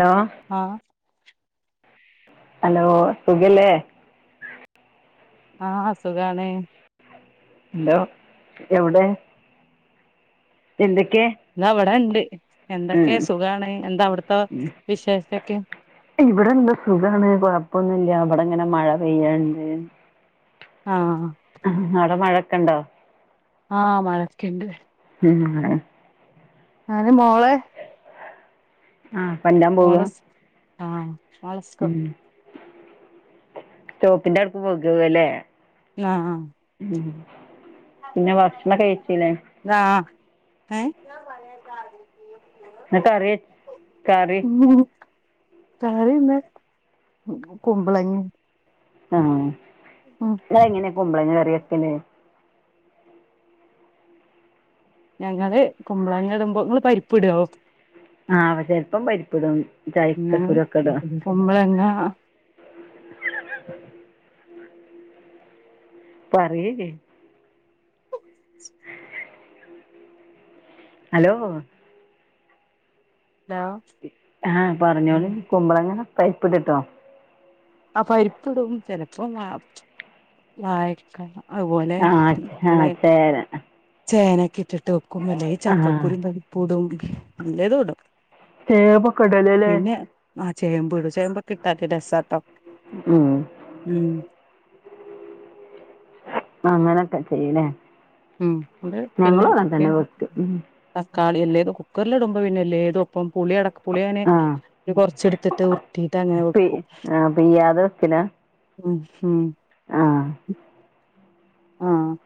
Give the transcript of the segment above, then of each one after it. Hello ആഹ് hello സുഖല്ലേ ആഹ് സുഖാണ് ഹലോ എവടെ എന്തെക്കെ താ വടെണ്ട് എന്തക്കെ സുഖാണ് എന്താ അവട്ത്തെ വിശേഷക്കെ ഇവടെന്താ സുഖാണ് കൊഴപ്പൊന്നുല്ല ഇബടെ ഇങ്ങനെ മഴ പെയ്യ്ണ്ട് ആഹ് അവട മഴക്ക ഇണ്ടോ ആ മഴക്കെണ്ട് ഉം അങ്ങനെ മോള് ആഹ് പല്ലം മോളെ സ് ആഹ് മോളെ സ്കൂ ഉം സ്റ്റോപ്പിന്റെ അവ്ട്ക്ക് പോകാവ ലെ ന്നാ ഉം പിന്നെ ഭക്ഷണക്ക കഴിചിലെ ആഹ് ഏ ഇന്ന് കറി കറി ഉം കറി ഇന്ന് കുമ്പളങ്ങ്യ ആഹ് ഇങ്ങള് എങ്ങനെ കുമ്പളങ്ങ കറി വെക്കല് ഞങ്ങള് കുമ്പളങ്ങ ഇടുമ്പോ ഇങ്ങള് പരിപ്പ് ഇടോ ആഹ് അപ്പ ചെൽപ്പം പരിപ്പ് ഇടും ചക്ക ഞങ്ങള് കുരു ഒക്ക ഇടും കുമ്പളങ്ങ ആ പറ്യേല്ലെ ഹലോ ഹലോ ആ പർഞ്ഞോളി കുമ്പളങ്ങ പരിപ്പ്ട്ട്ട്ടോ ആ പരിപ്പ് ഇടും ചെലപ്പം വാ വായ്‌ക്ക അതുപോലെ ആഹ് ആഹ് [unintelligible] ചേര ചേനക്കെ ഇട്ടിട്ട് വെക്കും അല്ലങ്കി ആഹ് ചക്കക്കുരും പരിപ്പുടും. എല്ലതു ഇടും ചെമ്പോക്ക ഇടല് ലെ പിന്നെ ആ ചേമ്പ് ഇടും ചേമ്പൊക്കെ ഇട്ടാട്ട് രസാട്ടോ ഉം ഉം അങ്ങനെക്കെ ചെയ്യ ലേ ഉം അത് പിന്നെ ഞങ്ങളും അങ്ങൻ ഒക്കെ തന്നെ വെക്ക തക്കാളി എല്ലേത് കുക്കർല് ഇടുമ്പ പിന്നെ എല്ലേതു ഒപ്പം പുളി അട പുളി അങ്ങനെ ആഹ് ഒരു കൊർച് ഇട്ത്ത്ട്ട് ഉർട്ടീട്ട് അങ്ങനെ പി വെക്കും. ആഹ് പിയ്യാതെ വെക്കലാ ഉം ഉം ആഹ് ആഹ്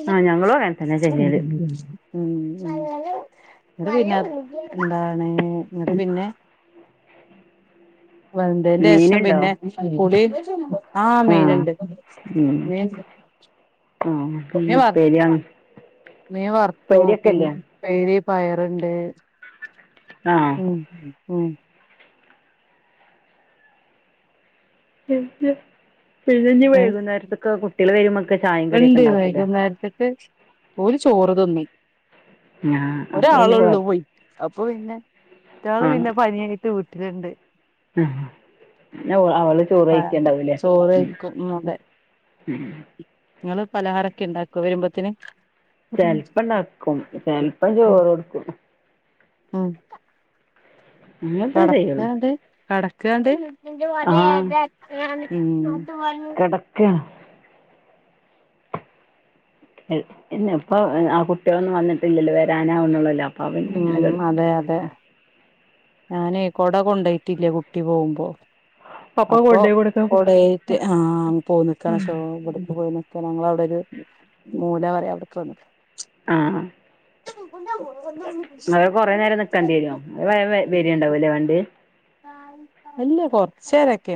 ഇത് ആഹ് ഞങ്ങളും അങ്ങനെ തന്നെ ചെയ്യല് [unintelligible] ഉം ന്നട്ട് പിന്ന എന്താണ് ഇന്നട്ട് പിന്നെ വെന്തേന്റെഷം മീനുണ്ടോ പിന്നെ പുളി ആ ആഹ് മീന്ണ്ട് ഉം മീൻ ആഹ് മീൻ പിന്നെ വർ ഉപ്പേരിയാണ് മീൻ വർത്തു പിന്നെ ഉപ്പേരിയൊക്കെയില്ലേ ഉപ്പേരി പയറ്ണ്ട് ആഹ് ഉം ഉം പിഴഞ്ഞ് ഇന്നിനി ഏ വൈകുന്നേരത്തൊക്കെ കുട്ടികൾ വെരുംമ്പോക്കെ ചായയും കടിയൊക്കിണ്ടാക്കൂല്ലേ, നേര്ത്തിട്ട് ഓര് ചോറ് തിന്നും ആഹ് അപ്പൊ പിന്നെ ഒരാളുള്ളു കുഴപ്പ പോയി അപ്പൊ പിന്നെ ഒറ്റയാള് പിന്നെ പനിയായിട്ട് വീട്ടിലുണ്ട്. ആ പിന്ന ഓള് അവള് ചോറ് പ കഴിക്ക്ണ്ടാവൂലേ ചോറ് ഉം കഴിക്കും അതെ ഉം നിങ്ങള് പലഹാരക്കെ ഇണ്ടാക്കുവൊ വെരുമ്പത്തേന് ചെൽപ്പിണ്ടാക്കും ചെൽപ്പം ചോറ് വെക്കും. ആം അങ്ങനൊക്കെ ചെയ്യുള്ളൂ കെടക്കാണ്ട് കെടക്കാണ്ട് ആഹ് ഉം ക്ക ഇല്ല ഇപ്പൊ ആ കുട്ടിയളൊന്നും വന്നിട്ടില്ലല്ലോ വെരാനാവുന്നുള്ളല്ലോ അപ്പവൻ ഇങ്ങനെ ഉം കെട അതെ അതെ ഞാനേ കൊട കൊണ്ടോയിട്ടില്ല കുട്ടി പോവുമ്പോ അപ്പൊ കൊണ്ടോയി കൊടുക്കാൻ കൊടായിട്ട് ആഹ് തോന്നിക്കണോ ശോ ഇവിടുന്ന് പോയല്ലൊ ഞങ്ങളവിടൊരു മൂല പറയാ അവിട്ക്ക് വന്ന് ആഹ് [unintelligible] നിങ്ങളാരേലും വെ വെരിയിണ്ടാവൂലേ വണ്ടി അല്ല കൊറച്ചേരൊക്കെ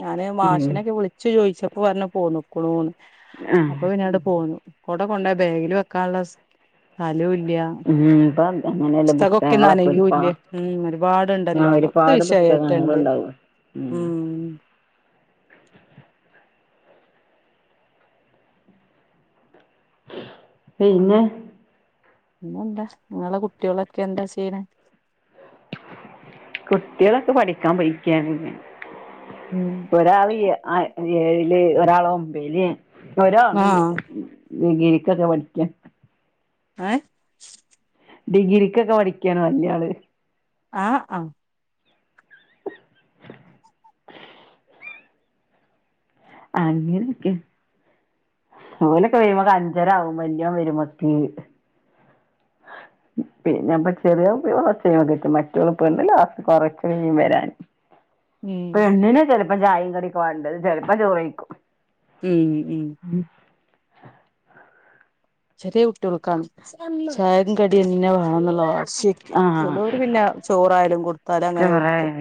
ഞാന് ഉം മാഷിനൊക്കെ വിളി ച്ച് ചോയിച്ചപ്പോ പർഞ്ഞു പോന്ന്ക്കണൂന്ന് അപ്പൊ ആഹ് പിന്നാട് പോന്നു കൊട കൊണ്ടോയി ബാഗിൽ വെക്കാനൊള്ള സ്ഥലവൂല്ല ഉം ഇപ്പൊ അങ്ങനെയല്ലേ പുസ്തകങ്ങളൊക്കെ ഒരുപാ പുസ്തകോക്കെന്നനയൂല്ലേ ഉം ഒരു ആഹ് പാടുണ്ടല്ലോവ ഒരുപാട് തീശയറ്റ്ണ്ട് പുസ്തകങ്ങളുണ്ടാവും ഉം പിന്നെ പിന്നെന്താ നിങ്ങള കുട്ടികളൊക്കെ എന്താ ചെയ്യണ കുട്ടികളൊക്കെ പഠിക്കാൻ പോയിരിക്കാണ് പിന്നെ ഉം ഒരാള് എ അ ഏഴില് ഒരാള് ഒമ്പേല് ഒരാള് ആഹ് ഡിഗ്രിക്കൊക്കെ പഠിക്കാ ഏ ഡിഗ്രിക്കൊക്കെ പഠിക്കാണ് വല്യാള് ആഹ് അ [unintelligible] അങ്ങനൊക്കെ ഓലൊക്കെ വെരുമക്ക് അഞ്ചരാവും വല്യാൻ വെരുമക്ക് പിന്നെ അപ്പ ചെറിയോൻ കൊറച്ചഴിമ്പം എത്തും മറ്റെയാളപോലല്ല കൊറച്ച് കഴിയും വെരാൻ ഉം പെണ്ണിന് ചെലപ്പോ ചായേം കടീക്ക വേണ്ടത് ചെലപ്പോ ചോയിക്കും ഉം ഉം ഉം ചെറിയ കുട്ടിയോൾക്കാണ് ചായേം കടിയന്നെ വേണംന്നുള്ള വാശി ആ ചെലോര് പിന്നെ ചോറായാലും കൊടുത്താലും അങ്ങനെ കഴിക്കും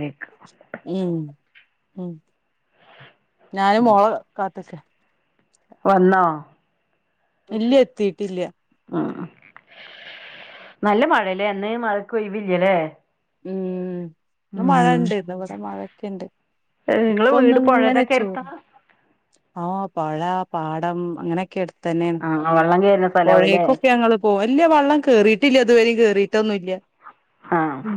ഉം ഉം ഞാനും മോള കാത്തിക്ക വന്നോ ഇല്ല എത്തീട്ടില്ല ഉം നല്ല മഴല്ലേ അന്ന് മഴക്ക് ഒഴിവില്ലല്ലേ ഉം ഇന്ന് മഴ ഉം ഇണ്ട് ഇന്ന് വടെെ മഴൊക്കെ ഉണ്ട് ഇപ്പ നിങ്ങള് ഒന്ന് വീട് അങ്ങനെ പുഴയുടെക്കെ അടുത്താ ചോറ് ആഓ പഴ പാടം അങ്ങനെയൊക്കെ അടുത്ത് തന്നെ ആ വെള്ളം ക- പുഴക്കൊക്കെ ഞങ്ങൾ പോ അല്ല വെള്ളം കേറിട്ടില്ല ഇതുവരും കേറിട്ടൊന്നുമല്ല ഉ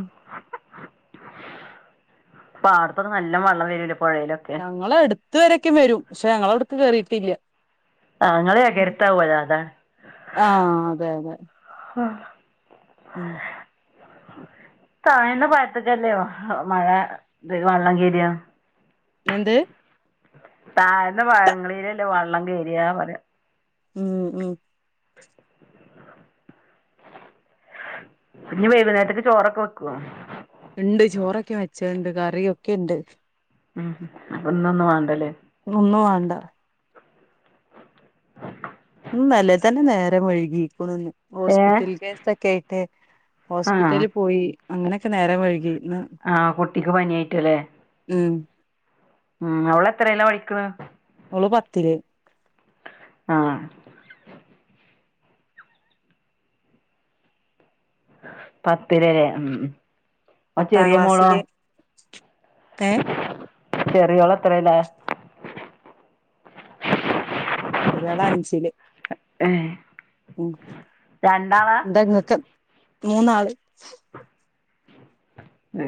പാടത്തോകേ നല്ല വെള്ളം വരല പുഴയില് ഞങ്ങള അടുത്ത വരക്കും വരും പക്ഷെ ഞങ്ങള അവിടക്ക് കേറിയിട്ടില്ല ആ ഞാങ്ങൾ കരുത്താവല്ല അതാണ് ആഹ് അതെ അതെ ഉം താഴന്ന പഴത്തൊക്കല്ലേ മഴ വള്ളകേരിയോ എന്ത് താഴ്ന്ന പാങ്ങളിലല്ലേ വള്ളം കേയറിയാ പറ ഉം ഉം [unintelligible] പിന്നെ വൈകുന്നേരത്തേക്ക് ചോറൊക്കെ വെക്കുവോ ണ്ട് ചോറൊക്കെ വെച്ചണ്ട് കറിയൊക്കെ ണ്ട് ഉം അപ്പ ന്നൊന്നും വാണ്ട ലേ ഒന്നും വാണ്ട ന്നല്ലെ തന്നെ നേരം വൈകീക്ക്ണ് ഏഹ് ഹോസ്പിറ്റൽ കേസൊക്കേയിട്ടെ ആഹ് ഹോസ്പിറ്റല്ൽ പോയി അങ്ങനൊക്കെ നേരം വഴുകി ആഹ് കുട്ടിക്ക് പന്യായിട്ട്ലേ ഉം ഉം അവളെത്രേല പഠിക്ക്ണേ ഓള് പത്തില് ആഹ് പത്തില് ലെ ഉം ഓൻ പത്താം ചെറിയ ക്ലാസ്സില് ഏ ചെറ്യോളെത്രേലാ ഒരാളഞ്ചിൽ ഏഹ് ഉം രണ്ടാളാ ന്താങ്ങക്ക് മൂന്നാൾ ഹെ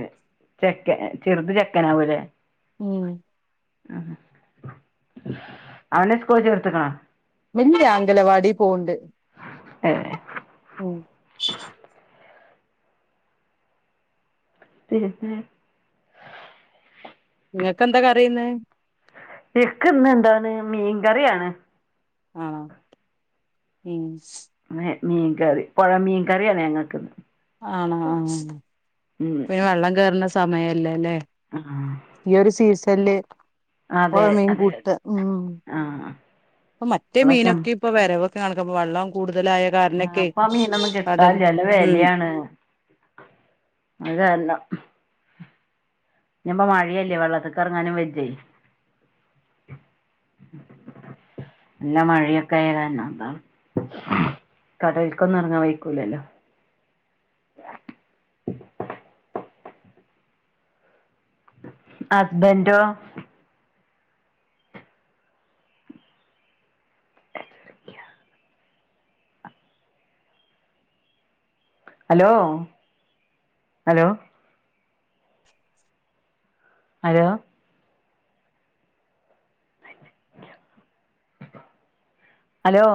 ചെക്കൻ ചെർത് ചെക്കനാവൂലെ ഉം ഉം അവനെ സ്കൂള് ചേർത്ത്ക്ണോ മില്ല്യ അംഗലവാടി പോവ്ണ്ട് ഏഹ് ഉം പിന്നെ ങ്ങക്കെന്താ കറി ഇന്ന് ഇക്ക് ന്നെന്താണ് മീൻകറ്യാണ് ആണോ ഉം മ്ഹെ മീൻകറി പൊഴ മീൻകറ്യാണ് ഞങ്ങക്ക് ആണോ ആ ഉം പിന്നെ വള്ളം കേറ്ണ സമയല്ലേ ലെ ആഹ് ഈ ഒരു സീസല്ല് അതെ പൊഴമീൻ അതെ കൂട്ട ഉം ആഹ് പ്പ മറ്റേ ഇപ്പളൊക്കെ മീനൊക്കെ പ്പൊ വരവൊക്കെ കാണക്ക പ്പ വള്ളം കൂടുതലായ ആഹ് കാരണൊക്കെ പ്പാ മീനൊന്നും കടൽ കിട്ടാല്ല ല്ല ഉം വെല്യാണ് അതാ ല്ലം ഞ് പ്പ മഴയല്ലേ വെള്ളത്ത്ക്കെർങ്ങാനും വെജ്ജെ ല്ല മഴയൊക്കെ [unintelligible] കടൽക്കൊന്നും എറങ്ങാൻ വൈക്കൂല്ലൊ ഹസ്ബന്റൊ [inaudible] ഹലോ ഹലോ ഹലോ ഹലോ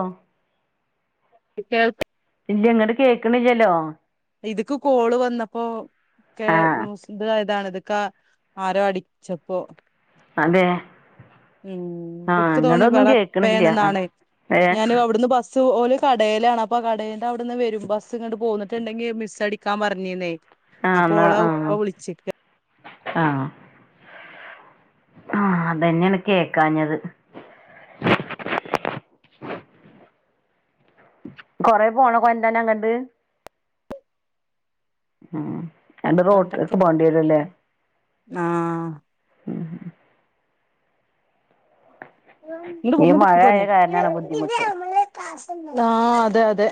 കേൾക്ക് ഇല്ല്യ ങ്ങട് കേൾക്ക്ണില്ല്യല്ലോ ഇത്ക്ക് കോള് വന്നപ്പോ കേ ആഹ് ത് അതാണ് ഇത്ക്ക ആരോ അടിച്ചപ്പോ അതെ [unintelligible] ആഹ് ഇങ്ങടൊന്നും കേക്കണില്ല ഏഹ് സു ഓല് കടേലാണ് അപ്പ കടേന്റെവിട്ന്ന് വരും ബസ് ഇങ്ങട് പോന്ന്ട്ട്ണ്ടെങ്കി മിസ് അടിക്കാ പറഞ്ഞിന്നേ. ആഹ് അപ്പൊ എന്നാ ഓള ഉപ്പ ആഹ് വിളിച്ചിക്ക. ആഹ്. ആഹ് അതന്നേണ് കേക്കാഞ്ഞത്. കൊറെ പോണക്കോന്റനങ്ങട്ട്.? ഉം എന്റെ റോട്ട്ക്ക് എന്തൊക്കെ പോണ്ടിരും ലെ? ആഹ്. [inaudible] ഈ മഴ ആയ കാരണാണ് ബുദ്ധിമുട്ട് [unintelligible] ആഹ് അതെ അതെ.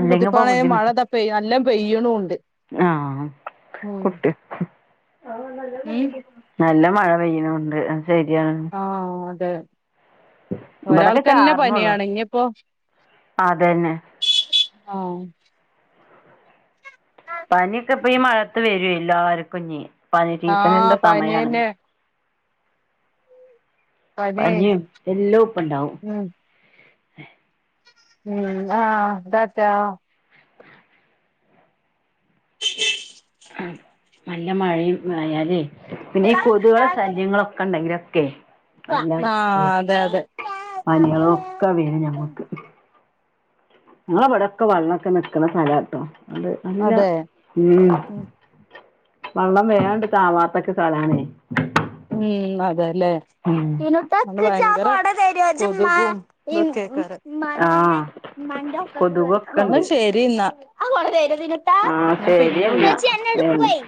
അല്ലെങ്കി ഇപ്പൊ ബുദ്ധിമുട്ട് മഴതാ പെയ് നല്ലോ പെയ്യ്ണുണ്ട്. ആഹ് കുട്ടി [unintelligible] നല്ല മഴ പെയ്യ്ണുണ്ട് അഹ് ശെര്യാണ്. ആഹ് അതെ. ഇവിടൊക്കെ ഒരാൾക്കന്നെ ചാറണുള്ളു പന്യാണ് ഇഞ്ഞിപ്പോ അതന്നെ ആഹ്. പനിക്കെ ഇപ്പ ഈ മഴത്ത് വെരെ എല്ലാർക്കുംഞി പനി ആഹ് സീസണിന്റെ സമയാണ്. പനിയെന്നെ പനി പന്യും എല്ലൊപ്പണ്ടാവു. ഉം ഉം ആഹ് റ്റാട്ടാ [inaudible] ആഹ് നല്ല മഴയും ആയാലേ പിന്നെ ഈ കൊതുകളെ ശല്യങ്ങളൊക്കെ ണ്ടെങ്കിലൊക്കെ അല്ല തെ ആഹ് അതെ അതെ പനികളൊക്കെ വെരും ഞമ്മക്ക്. ങ്ങള വിടൊക്കെ വെള്ളൊക്ക നിക്കണ സ്ഥലാട്ടോ ണ്ട് നല്ല അതെ ഉം വള്ളം വേയാണ്ട് താവാത്തെക്കെ സ്ഥലാണെ. ഉം അതെല്ലേ.? ഉം. [inaudible] വയങ്കര കൊതുകും ഇതൊക്കേക്കാരം ഇമ്മാനന്നെ ആഹ് ഇമ്മാന്റെ ഒക്കത്ത് കേറിക്കോ കൊതുകൊക്കെ ഇന്നാ ഉണ്ട് ശെരി ന്നാ. ആ ഞാൻ ശരി പിന്നെ എന്നാ ഉം വിളിക്കാ